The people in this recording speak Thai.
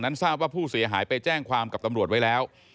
ทราบว่าผู้เสียหายไปแจ้งความกับตำรวจไว้แล้ว